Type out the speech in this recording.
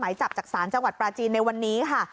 จับจากศาลจังหวัดปราจีนในวันนี้ค่ะ